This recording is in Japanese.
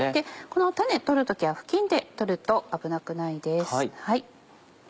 この種取る時は布巾で取ると危なくないです。